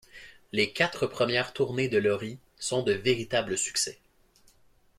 Les quatre premières tournées de Lorie sont de véritables succès.